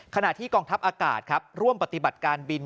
ขณะที่กองทัพอากาศครับร่วมปฏิบัติการบิน